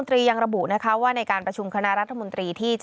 ทรงมีลายพระราชกระแสรับสู่ภาคใต้